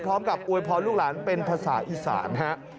พร้อมกับอวยพรลูกหลานเป็นภาษาอีสาน